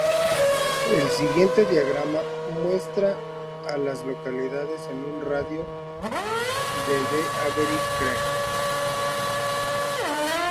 El siguiente diagrama muestra a las localidades en un radio de de Avery Creek.